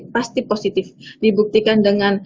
pasti positif dibuktikan dengan